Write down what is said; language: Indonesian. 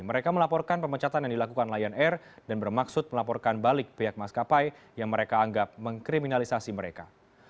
mereka melaporkan pemecatan yang dilakukan lion air dan bermaksud melaporkan balik pihak maskapai yang mereka anggap mengkriminalisasi mereka